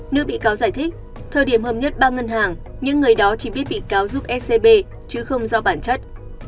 nữ bị cáo giải thích thời điểm hợp nhất ba ngân hàng những người đó chỉ biết bị cáo giúp scb chứ không do bản chất